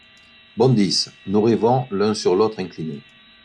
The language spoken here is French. Bondissent. Nous rêvons, l'un sur l'autre inclinés